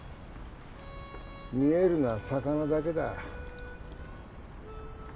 見えるのは魚だけだ。